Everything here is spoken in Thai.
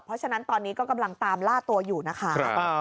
เพราะฉะนั้นตอนนี้ก็กำลังตามล่าตัวอยู่นะคะ